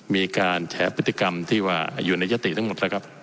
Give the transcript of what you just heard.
มีการแฉพฤติกรรมที่ว่าอยู่ในยติทั้งหมดนะครับ